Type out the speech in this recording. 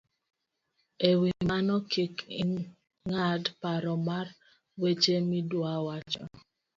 E wi mano, kik ing'ad paro mar weche miduawacho